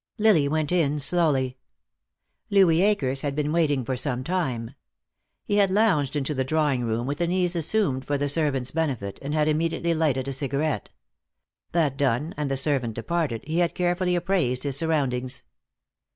Lily went in slowly. Louis Akers had been waiting for some time. He had lounged into the drawing room, with an ease assumed for the servant's benefit, and had immediately lighted a cigarette. That done, and the servant departed, he had carefully appraised his surroundings.